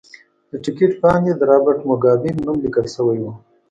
د ټکټ باندې د رابرټ موګابي نوم لیکل شوی و.